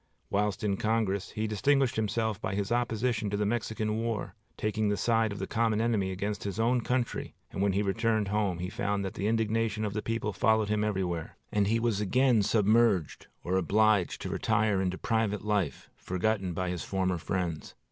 Whilst in Congress, he distinguished himself by his opposition to the Mexican War, taking the side of the common enemy against his own country; and when he returned home he found that the indignation of the people followed him everywhere, and he was again submerged or obliged to retire into private life, forgotten by his former friends.